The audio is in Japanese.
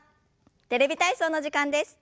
「テレビ体操」の時間です。